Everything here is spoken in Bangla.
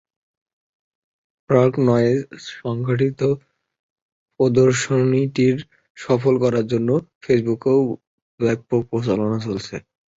ব্ল্যাঙ্ক নয়েজ সংগঠনটি প্রদর্শনীটি সফল করার জন্য ফেসবুকেও ব্যাপক প্রচারণা চালাচ্ছে।